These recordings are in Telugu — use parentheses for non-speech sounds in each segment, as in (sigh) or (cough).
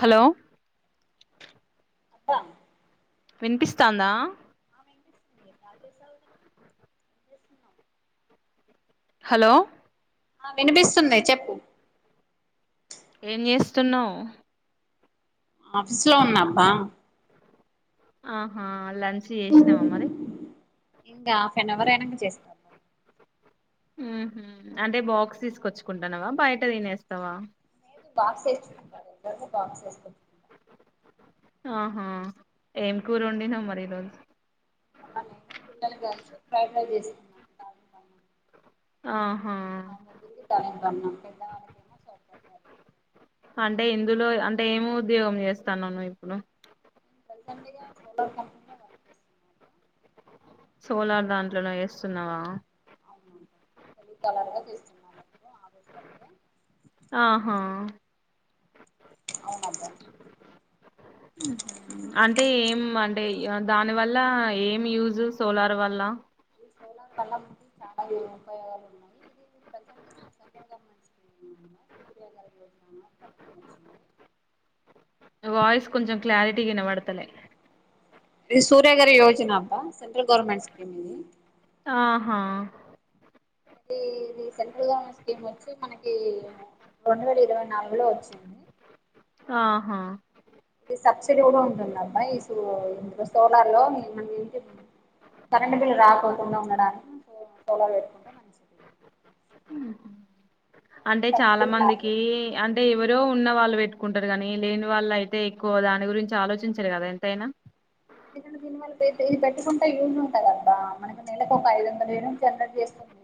హలో అక్క వినిపిస్తాందా స హలో హా వినిపిస్తుంది చెప్పు ఏం చేస్తున్నావ్ ఆఫ్స్ లో ఉన్నాబ్బా ఆహా అ ఇంకా హాఫ్ ఏన్ అవర్ అయినాక చేస్ ఉహు అంటే బాక్స్ తీసుకొచ్చుకుంటానవా బయట తినేస్తావా బాక్స్ వేకుంటారు రెగులర్ గా బాక్స్ తే ఆహా ఏం కూరా ఓండినవ్ మరి రోజు నేను పిల్లలు కలిసి ఫ్రైడ్ రైస్ చేస్తున్నా (unintelligible) ఆహా మయిన కుంది తనంత అన్నం పెద్దవాళ్ళకేమో స్వర్ అంటే ఇందులో అంటే ఎమ్ ఉద్యోగం చేస్తాన్నావ్ నువ్ ఇప్పుడు నేను ప్రెసెంట్ గా సోలార్ కంపెనీలో వర్క్ చేస్తున్నాను సోలార్ దాంట్లోనో చేస్తున్నావా అవున టెలికాలర్ గా చేస్తున్న ఆఫీస్ వర్క్ ఆహా అవునబ్బా అంటే ఏం అంటే దాని వల్ల ఏం యూజ్ సోలార్ వల్ల సలార్ వల్ల చాలా ఉపయోగాలు ఉన్నాయి ఇది ప్రెసెంట్ యోజన అని పథకం వచ్చింది వాయిస్ ఇది కొంచెం క్లారిటీ వినబడతలే ఇది సూర్య గారి రోజన అబ్బా సెంట్రల్ గవర్నమెంట్ స్కీమ్ ఇది ఆహా ఇది ఇది సెంట్రల్ గవర్నమెంట్ స్కీమ్ వచ్చి మనకి రెండు వేల ఇరవై నాలుగు లో వచ్చింది ఆహా ఇది సబ్సిడీ కూడా ఉంటుంది అబ్బా ఈ ఇందులో సోలార్లో మమ ఏంటి కరెంట్ బిల్ రాకోకుండ ఉండడానికి సోలార్ పెట్టుకుంటే మంచి అంటే కరెంట్ చాలా బిల్ రాదు మందికి అం అంటే ఎవరో ఉన్న వాళ్ళు పెట్టుకుంటారు కానీ లేని వాళ్ళు అయితే ఎక్కువ దాని గురించి ఆలోచించరు కదా ఎంతైనా ఎందుకంటే దీని మల్ల ఇది పెట్టుకుంటే యూజ ఉంటా కదా మనకి నేలక ఒక ఐదు వందల ఏడు జనరేట్ చేస్తుంది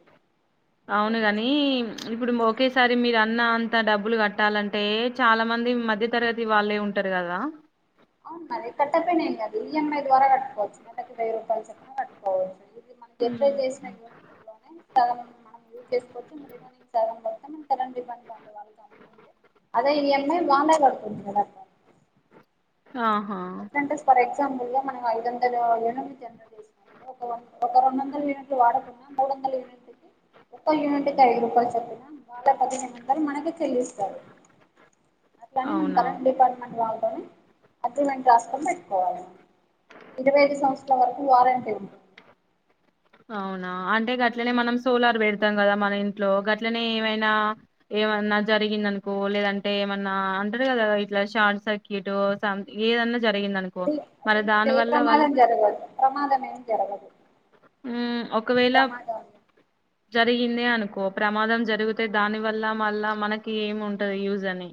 జనరేట్ అవునుగాని చేసినంక ఇప్పుడు (unintelligible) సరే మీరు అన్న అంత డబ్బులు కట్టాలంటే చాల మంది మధ్య తరగతి వాళ్ళే ఉంటారు కదా అవును మరి కట్టపోనా ఏం కాదు ఈఎంఐ ద్వారా కట్టుకోవచ్చు వెయ్యి రూపాయలు చెప్పా కట్టుకోవచ్చు (unintelligible) అదే ఇ ఎమ్ ఐ మా అమ్మే కడుతుంది కదా ఆహా ఎట్లాంటే ఫర్ ఎగజాంపుల్ గా మన ఐదు వంద యూనిట్ తసినడు ఒక రెండు వంద యూనిట్ వాడకుండా మూడు వందల యూనిట్ (inaudible) ముప్పై యూనిట్ కి ఐదు రూపాయలు చొప్పున వాళ్ళ పదిహను అంటారు మనక చెల్లిస్తారు అట్లానే మనం అవునా కరెంట్ డిపార్ట్మెంట్ వాళ్ళతోనే అగ్రిమెంట్ రాసుకని పెట్టుకోవాలి ఇరవై ఐదు సంవత్సర వరకు వరంటి అవునా అంటే గట్లనే మనం సోలార్ పెడతాం కదా మన ఇంట్లో గట్లనే ఏమైనా ఏమ జరిగిందనుకో లేదంటే ఏమన్నా అంటారు కదా ఇట్లా షార్ట్ సర్క్యూట్ ఏదన్న జరిగింది అనుకో దీ మరి దీనివల్ల ఏ దానివల్ల ప్రమాదం జరగదు ప్రమాదం ఏం జరగదు అలాంటి ఒకవేళ ప్రమాదాలు జరిగిందే అనుకో ప్రమాదం జరిగితే దాని వల్ల మళ్ళా మనకి ఏమి ఉంటది యూజ్ అని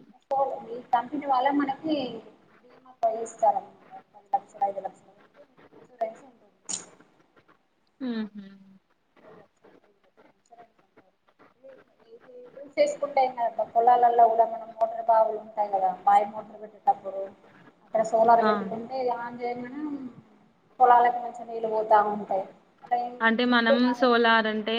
కంపినీ వాళ్ళ మన (unintelligible) (unintelligible) ఉహు (unintelligible) చేసుకుంటే ఏం (unintelligible) కూడా మన మోటర్ బావులు ఉంటాయి కదా మాయ మోటర్ పెట్టేటప్పుడు సోలార్ ఆ పెట్టుకుంటే పోలాలకు మంచి నీళ్ళు పోతు ఉంటాయి అ అంటే మనం సోలార్ అంటే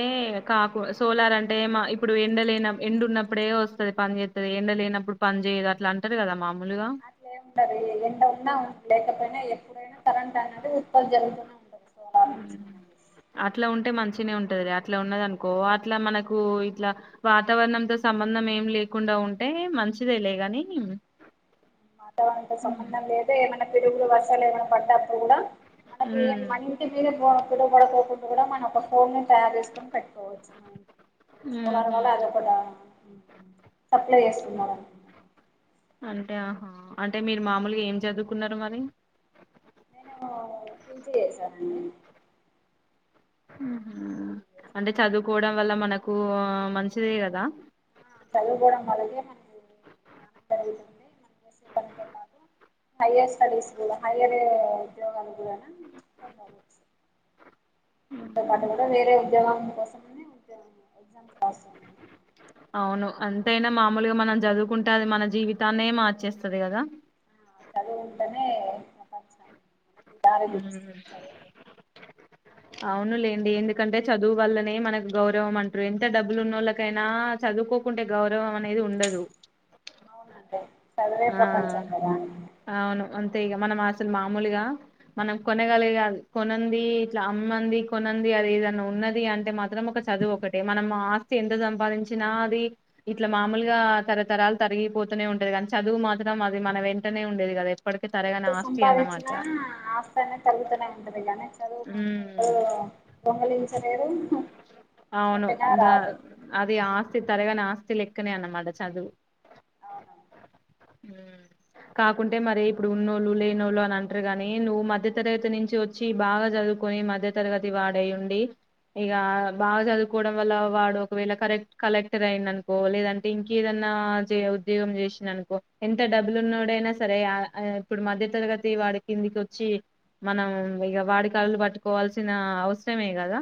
కా సోలార్ అంటే ఇప్పుడు ఎండ లేన ఎండ ఉన్నప్పుడే వస్తుది పని చేస్తుంది ఎండ లేనప్పుడు పని చేయదు అట్లా అంటారు కదా మామూలుగా అట్లా ఏముంటారు ఎంట ఉన్నా లేకపోయినా ఎప్పుడైనా కరెంట్ అనేధీ ఉత్పత్తి జరుగుతూనే ఉంటుంది సోలార్ నుంచి మ్మ్. మనకి అట్లా ఉంటే మంచినే ఉంటది అట్లా ఉన్నదనుకో అట్లా మనకు ఇట్లా వాతావరణంతో సంబంధం ఎం లేకుండా ఉంటే మంచిద లే గాని వాతావరణంతో మ్మ్ సంబంధం లేద ఏమైనా పెిరుగులు వర్సాలు ఏమైనా పడ్డప్పుడు కూడ మనకి ఏ మ్మ్ మన ఇంటి మీద పిలువబడకోకుండా కూడా మనం ఒక ఫోన్ ని తయారు చేసుకొని పెట్ కోవచ్చు ఈ సోలార్ వళ ఊహూ అద కూడ సప్లై చేస్తుంది మో అంటే ఆహా అంటే మీరు మామూలుగా ఏం చదువుకున్నారు మరి నేను పీజీ చేసాను అండి అంటే చేశాను చదువుకోవడం వల్ల మనకు మంచిదే కదా ఆ చదువుకోవడం వల్లనే (unintelligible) హైయర్ స్టడీస్ కూడ హైయర్ ఉద్యోగాలు కూడ (unintelligible) దీతో పాటు కూడ మ్మ్. వేరే ఉద్యోగా కోసమనే (inaudible) అవును అంతయినా మామూల్గా మనం చదువుకుంటే అది మన జీవితాన్నే మార్చేస్తుంది కదా చదువు ఉంటెనే మ్ అవునులేండి ఎందుకంటే చదువు వల్లనే మనకు గౌరవం అంట్రు ఎంత డబ్బులు న్నోళ్ళకైన చదువుకోకుంటే గౌరవం అనేది ఉండదు అవునండి చదివే ఆ ప్రపంచం కదా అవును అ తె ఇగ మనం అసలు మామూల్గా మనం కొనగలిగె అం కొనంది ఇట్ల అమ్మంది కొనంది గది ఏదన్న ఉన్నది అంటే మాత్రం ఒక చదువు ఒకటిే మనం ఆస్తి ఎంత సంపాదించినా అది ఇట్లా మామూల్గా తరతరాలు తరిగిపోతూనే ఉంటది కానీ చదువు మాత్రం అది మన వెంటనే ఉండేది కదా ఎప్ ఎంత సంపాదించిన ఆస్తి అనె తగ్గుతూనే ఉంటది కాగానీ చదువు మాత్రం ఉమ్, ఎవరు దొంగలించలేరు అవును కొట్టినా ద రాదు అది ఆస్తి తరగని ఆస్ తి లెక్కనె అనమాట చదువు అవునండి హు కాకుంటే మరి ఇప్పుడు ఉన్నోళ్ళు లేనోళ్ళు అని అంట్రె గాని నువ్వు మధ్య తరగతి నుంచి వచ్చి బాగా చదువ్ చదుకొని మధ్య తరగతి వాడయి ఉండి ఇక బాగ చదువుకోవడం వల్ల వాడు ఒకవేళ కరెక్ కలెక్టర్ అయిండు అనుకో లేదంటే ఇంక ఏదన్నా ఆ ఉద్యోగం చేసిననుకో ఎంత డబ్బులు ఉన్నోడైనా సరే ఇప్పుడు మధ్య తరగతి వాడు కిందికి వచ్చి మనం ఇక వాడి కాళ్లు పట్టుకోవాల్సిన అవసరమే కదా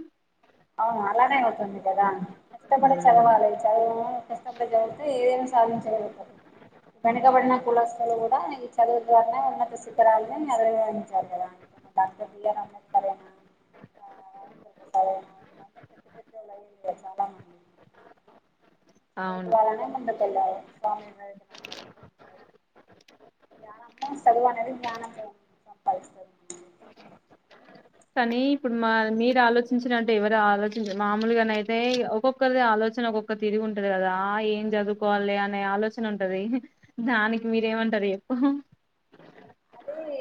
అవును అలానే అవుతుంది కదా కష్టపడే ఉమ్ చదవాలె చదువు కష్టపడి చదివితె ఏమై సాధించ గలుగుతాం వెనుకబడిన కుల శాలు కూడ చదువుల ద్వారానే ఉన్నత శితరాలని అదవరించాలిగల (inaudible) అ డాక్టర్ బిఆర్ అంబేద్కర్ (unintelligible) (inaudible) అవును మీకు ఇయ్యాళ (inaudible) ధ్యానం చదువన్నది ద్యానం చదు సంపాదిస్తదు కనీ ఇప్పుడు మా మీరు ఆలోచించిన అంటే ఎవరు ఆలోచించ మామూలుగానయితే ఒక్కొక్కరిది ఆలోచ ఆలోచన ఒొక్క తిరిగి ఉంటది కదా ఏం చదువుకోవాల్లె అనే ఆలోచన ఉంటది దానికి మీరేం ఏమ ముంటది అహ్ ఇదీ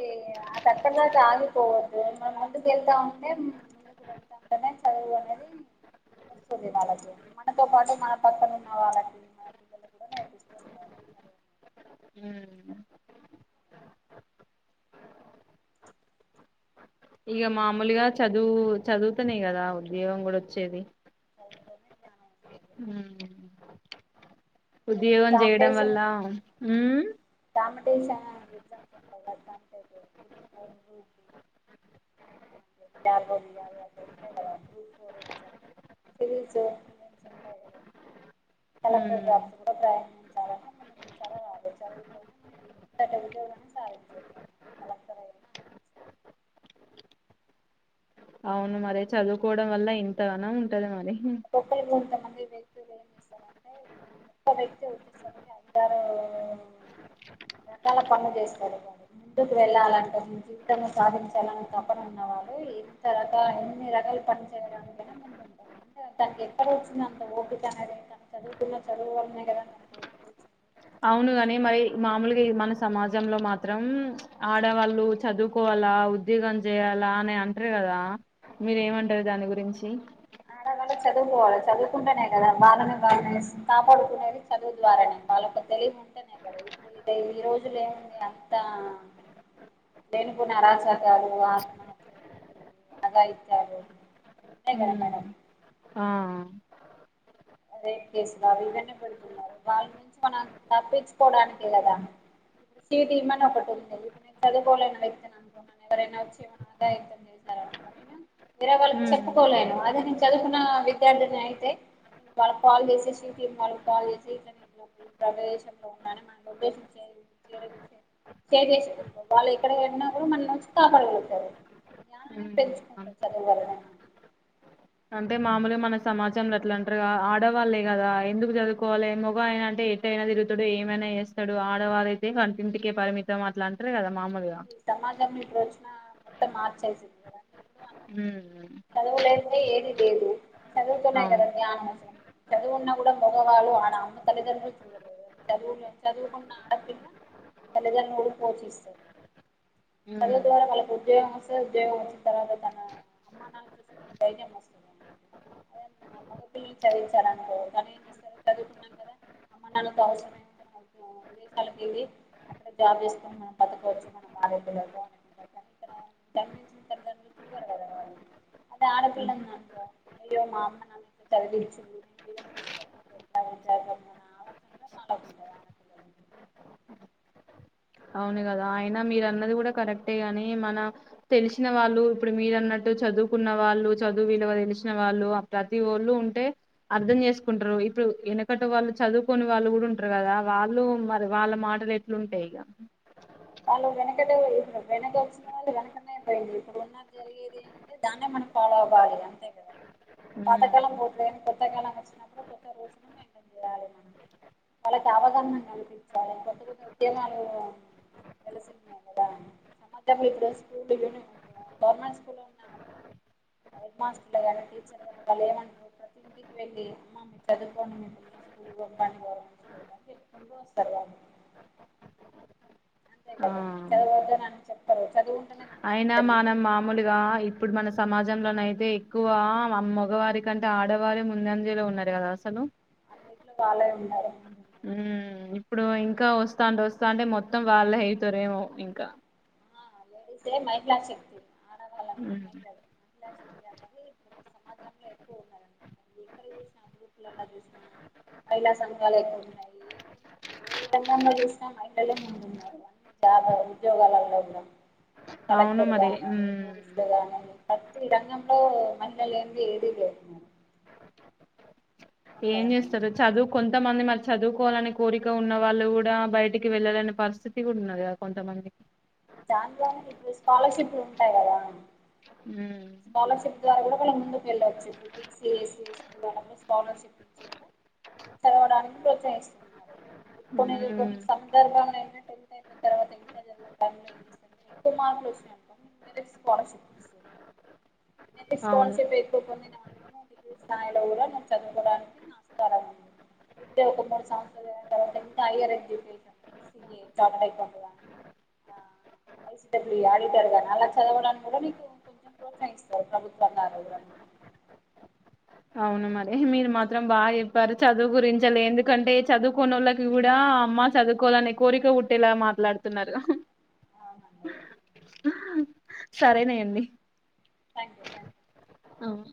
అట్టంగా ఆగిపోవద్దు మన ముందుకు వెళ్తా ఉంటే అంటనే చదువు అన్నది వస్తుంది వాళ్ళకి మనతో పాటు మన పక్కన ఉన్న వాళ్ళకి మన పిల్లలు కూడా నేర్పిస్తూ ఉండాలి చదువు ఉ ఇగ మామూలగా చదువు చదువుతనే కదా ఉద్యోగం కూడ వచ్చేది చదువుతోనే జ్ఞానం వస్తుంది హు ఇప్పుడు ఉద్యోగం చేయడం కాంపిటీషన్ వల్ల ఉమ్ కాంపిటీషన్ అనేది ఉంటుంది కదా (inaudible) (inaudible) సివిల్స్ (inaudible) కలెక్టర్ జాబ్స్ కూడా ప్రయాణించాల ముందు (inaudible) (unintelligible) సాధించారు కలెక్టర్ అ (inaudible) అవును మరి చదువుకోవడం వల్ల ఇంతగ నం ఉంటది మరి ఒక్కొక్కరికి ఒకటి ఉంటది గొప్ప వ్యక్తి వచ్చే సరికి (unintelligible) రకాల పన్లు జేస్తారు ఏమో మీరు ముందుకు వెళ్ళాలంటే జీవితంలో సాధించాలని తప్పన ఉన్న వాళ్ళు ఇంత రకాల ఎన్ని రకాలు పని చేయడానికైన మ తనకి ఎక్కడ వచ్చింది అంత ఓపిక అనేది తను చదువుకున్న చదువు వల్లనే కదా తన ఓపిక వచ్చింది. అవునుగాని మరి మాములుగా ఇది మన సమాజంలో మాత్రం ఆడవాళ్ళు చదువుకోవాల్ ఇలా ఉద్యోగం చేయాలా అని అంటర్రు కదా మీరు ఏమంటారు దాని గురించి వాళ్ళు చదువుకోవాలి చదువుకుంటేనే కదా వాళ్ళని వాళ్ళే స్ కాపాడుకునేది చదువు ద్వారానే వాళ్ళకు తె తెలివి ఉంటేనే కదా ఇప్పుడు ఈ రోజుల్లో ఏముంది అంతా లేనిపోని అరాచకాలు ఆ ఆత్మహత్యలు అగాయిత్యాలు ఉమ్ ఆఅ అదే కేసు బాబు ఇవన్నీ పెడుతున్నారు వాళ్ళ నుంచి మనం తప్పించుకోవడానికే కదా ఇప్పుడు సీ టీమ్ అని ఒకటి ఉంది ఇప్పుడు నేను చదువుకోలేని వ్యక్తిని అనుకో నన్ను ఎవరైనా వచ్చి ఎమన్నా అఘాయిత్యం చేశారు. నేను వేరే వాళ్ళకి ఉమ్, చెప్పుకోలేను అదే నేను చదువుకున్న విద్యార్థిని అయితే వాళ్ళక్ కాల్ జేసి సీ టీమ్ వాళ్ళ కాల్ జేసి ఇట్ల నేన్ ఈ ప్రదేశంలో ఉన్న అని మన లొకేషన్ సే సేర్ జేస్తే షేర్ చేసాం అనుకో వాళ్ళు ఎక్కడకెళ్ళిన కూడా మనల్ని వచ్చి కాపాడగలుగుతారు జ్ఞానం అనేది ఉమ్. పెంచుకుంటది చదువు వల్లనే అంటే మాములుగా మన సమాజంలో ఇట్ల అంట్రర్ ఆడవాళ్ళే కదా ఎందుకు చదువుకోవాలి మగ ఆయన అంటే ఎట్టఅయినా తిరుతాడు ఏమైనా చేేస్తాడు ఆడవారైతే వంటింటికే పరిమితం అట్ల అంట్రరు కదా మాములుగా ఈ సమాజం ఇప్పుడు వచ్చిన మొత్తం మార్చస్లింది కద ఇప్పుడు హ్మ్ చదువుల్లేదే ఏది లేదు చదువుతెనా కదా అవును జ్ఞానం అవసరం చదువున్నా కూడా మగవాళ్ళు ఆన అమ్మ తల్లిదండ్రులు చూడలేరు చదువులో చదువుకున్న ఆడపిల్ల తల్లిదండ్రులను కూడా పోషిస్తాది చదువు ద్వారా ఉమ్ వాళ్ళకి ఉద్యోగం వస్తది ఉద్యోగం వచ్చిన తర్వాత తన అమ్మ నాన్న సంగం పైనే మోస్తా ధనం కి అదే నా మగ పిల్లల్ని చదివించారనుకో గాళ్ళు ఏం చేస్తారు చదువుకున్నాం కదా అమ్మ నాన్న లతో అవసరం ఏముంది ఇగ నాకు దేశాలకు వెళ్ళి అక్కడ జాబ్ చేస్కొని మనం బతకవచ్చు మనం భార పిల్లలతో అనుకుంటారు కాని ఇక్కడ జన్మనిచ్చిన తల్లిదండ్రులను చూడరు కదా వాళ్ళు అదే ఆడపిల్ల ఉందనుకో అయ్యో మా అమ్మ నన్ను ఇంత చదివిచింది నేన ర ఈ విధంగా చు వాళ్ళకు ఉంటది ఆడపిల్లలకి అవును కదా అయిన మీరు అన్నది కూడా కరెక్టే గాని మన తెలిసిన వాళ్ళు ఇప్పుడు మీరు అన్నట్టు చదువుకున్న వాళ్ళు చదువు విలువ తెలిసిన వాళ్ళు ప్రతి ఒళ్ళు ఉంటే అర్థం చేసుకుంట్రు ఇ ప్పుడు ఎనకటి వాళ్ళు చదువుకోని వాళ్ళు కూడా ఉంట్రరు కదా వాళ్ళు మరి వాళ్ళ మాటలు ఎట్లుంటాయ్ ఇగ ఆళ్ళు వెనకటోళ్ళు వెనక వచ్చిన వాళ్ళు వెనకనే పోయింది ఇప్పుడు ఉన్న జరిగేది ఏం ఉం దాన్నే మనం ఫాలో అవ్వాలి అంతే కద పాతకలం బోతే కొత్తకలం వచ్చినప్పుడు కొత్త రూల్స్ ని ఎన్కరేజ్ చేయలి మనం వాళ్ళకి అవగాహన కల్పించాలి కొత్త కొత్త ఉద్యోగాలు వెలసిన్నే కదా సమాజం లో ఇప్పుడు స్కూల్ యుని మాత్రమ్ గవర్నమెంట్ స్కూల్లో ఉన్నా. హెడ్ మాస్టర్లు గాని టీచర్లు గాని వాళ్ళు ఏమన్కుంట్రు ఇంటికి వెళ్ళి అమ్మా మీరు చదువుకోండి మీ పిల్లల్ని స్కూల్ పంపండి గవర్నమెంట్ స్కూల్ ఇలా చెప్పుకుంటు వస్తారు గా అంతే ఆ కదా చదవద్దని అని చెప్పరు చదువు అయినా మనం మాములుగా ఇ ఇప్పుడు మన సమాజంలోనైతే ఎక్కువ అ మగవారి కంటే ఆడవారే ముందుఅంజెలో ఉన్నారు కదా అసలు. అన్నిటిలో వాళే ఉన్నారు ముందు ఉన్నారు. ఉమ్ ఇప్పుడు ఇంకా వస్తాంటే వస్తాంటే మొత్తం వాళ్ళు అవుతారేమో ఇంకా ఏసే మహిలా శక్తి ఆ ఆడవాళ్ళంటే మహిళలు మహిళా శక్తి అనేది సమాజంలో ఎక్కువ ఉన్నారనమాట ఎక్కడ చూసిన అందుబపులలా చూసిన మహిళా సంఘాలు ఎక్కువ ఉన్నాయి ఏ రంగంలో చూసినా మహళలే ముందున్నారు అన్ని జాబు ఉద్యోగాలలో కూడా అవును మరి కలెక్టర్గాను ఉమ్ పోలీస్లుగాను ప్రతి రంగంలో మహిళ లేనిదే ఏది లేదు అవును ఏం కదా మేడం చేస్తారు చదువు కొంతమంది మధ్య చదువుకోవాలని కోరిక ఉన్న వాళ్ళు కూడా బయటికి వెళ్ళాలని పరిస్థితి కూడా ఉన్నది కదా కొంతమందికి దాన్దే ఏముంది ఇప్పుడు స్కాలర్షిప్ లు ఉంటాయ్ కదా ఉమ్ స్కాలర్షిప్ ద్వారా కూడా వాళ్ళు ముందుకు వెళ్ళచ్చు ఇప్పుడు బిసి ఎసి ఎసి ఈ వనంలో స్కాలర్షిప్ లు ఇచ్చి కూడా చదవడానికి ప్రోత్సహిస్తున్నారు. ఉమ్ (unintelligible) తర్వాత (unintelligible) ఇంటర్ ఎక్కువ మార్క్స్ వస్తాయి అవును కాన్సెప్ట్ న డిగ్రీ స్థాయిలో కూడా నేను చదువుకోవడానికి నాస్తారడి ఇప్పుడే ఒక మూడు సంవత్స అయ్యరజసా సి తటటై కొంటద ఐడల ఆడిటర్గా అలా చదవడానికి కూడా నీకు కొంచెం ప్రభుత్వగ్ర అవున మరి మీరు మాత్రం బాగా చెప్పారు చదువు గురించలే ఎందుకంటే చదువు కొన వాళ్ళకి కూడా అమ్మ చదువుకోవాలని కోరిక పుట్టేలా మాట్లాడుతున్నారు అవునండి, సరేనాయండి థ్యాంక్ యూ థ్యాంక్ యూ అవు